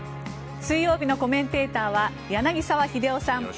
水曜日のコメンテーターは柳澤秀夫さん。